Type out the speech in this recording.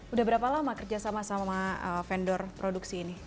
udah berapa lama kerja sama sama vendor produksi ini